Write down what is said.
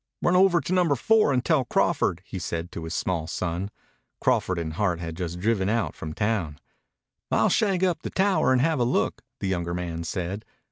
"Run over to Number Four and tell Crawford," he said to his small son. Crawford and Hart had just driven out from town. "I'll shag up the tower and have a look," the younger man said.